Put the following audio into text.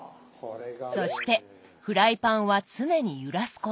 そしてフライパンは常に揺らすこと。